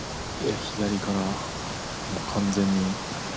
左から完全に。